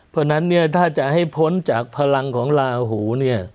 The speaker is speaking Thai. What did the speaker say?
เพราะฉะนั้นถ้าจะให้พ้นจากพลังของลาหู